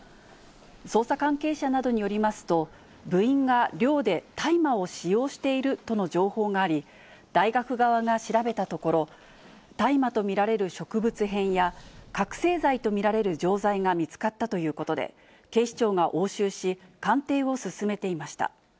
捜査関係者などによりますと、部員が寮で大麻を使用しているとの情報があり、大学側が調べたところ、大麻と見られる植物片や、覚醒剤と見られる錠剤が見つかったということで、警視庁が押収し、鑑定を進めていました。